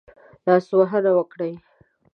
لاسوهنه وکړي.